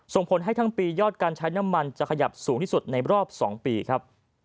ส่งผลให้ทั้งปียอดการใช้น้ำมันจะขยับสูงที่สุดในรอบ๒ปีครับ